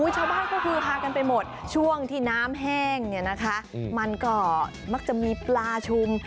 ชาวบ้านก็คือฮากันไปหมดช่วงที่น้ำแห้งเนี่ยนะคะมันก็มักจะมีปลาชุม